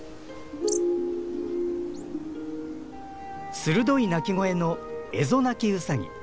鋭い鳴き声のエゾナキウサギ。